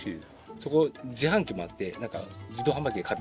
そこ自販機もあってなんか自動販売機で買って帰れる。